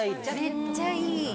めっちゃいい。